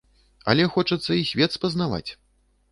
Але хочацца і свет спазнаваць.